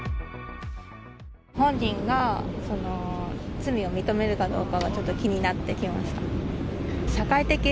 本人が罪を認めるかどうかがちょっと気になって来ました。